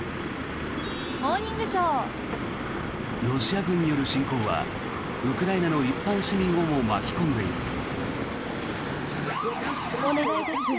ロシア軍による侵攻はウクライナの一般市民をも巻き込んでいる。